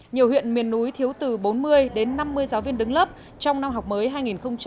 nhiều huyện miền núi thiếu từ bốn mươi đến năm mươi giáo viên đứng lớp trong năm học mới hai nghìn một mươi tám hai nghìn một mươi chín